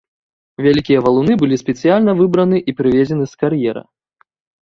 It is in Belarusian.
Вялікія валуны былі спецыяльна выбраны і прывезены з кар'ера.